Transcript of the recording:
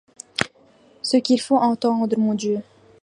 Ce qu’il faut entendre, mon Dieu !